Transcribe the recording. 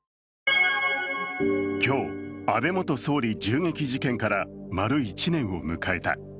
今日、安倍元総理銃撃事件から丸１年を迎えた。